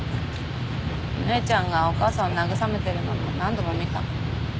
お姉ちゃんがお母さんを慰めてるのも何度も見た。